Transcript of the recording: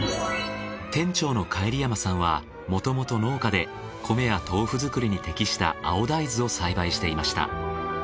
店長の帰山さんは元々農家で米や豆腐作りに適した青大豆を栽培していました。